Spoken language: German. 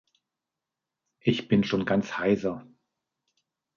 Ich bin schon ganz heiser.